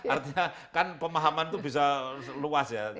artinya kan pemahaman itu bisa luas ya